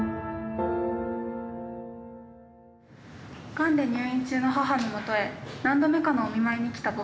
「がんで入院中の母のもとへ何度目かのお見舞いに来た僕。